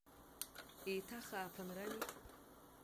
Еиҭах ааԥынрами!